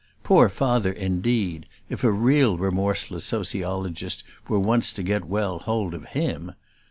Poor Father indeed, if a real remorseless sociologist were once to get well hold of him!